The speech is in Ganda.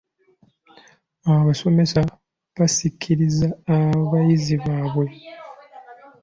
Abasomesa basikiriza abayizi baabwe.